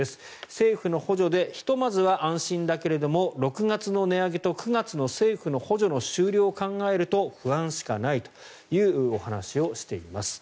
政府の補助でひとまずは安心だけども６月の値上げと９月の政府の補助の終了を考えると不安しかないというお話をしています。